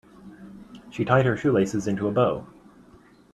She tied her shoelaces into a bow.